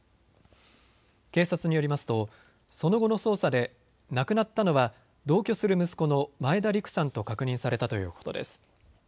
警察によりますとその後の捜査で亡くなったのは同居する息子の前田陸さんと確認されたということです。